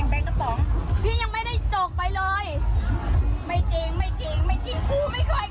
หนูยืนยันได้หนูมีแบงค์ทันแค่ใบเดียวแล้วแบงค์ทันหนูยืนให้พี่เมื่อกี้